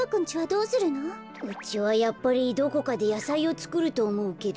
うちはやっぱりどこかでやさいをつくるとおもうけど。